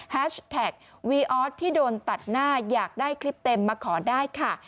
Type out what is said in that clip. แฮชแท็กวีออสที่โดนตัดหน้าอยากได้คลิปเต็มมาขอได้ค่ะ